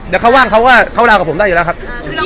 เดี๋ยวเขาว่างเขาก็เขาลาวกับผมได้อยู่แล้วครับ